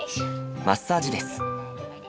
マッサージです。